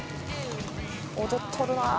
踊っとるなぁ。